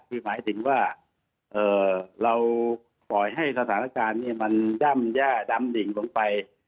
คือหมายถึงว่าเราปล่อยให้สถานการณ์มันย่ำแย่ดำดิ่งลงไป